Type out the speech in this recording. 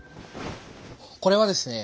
これはですね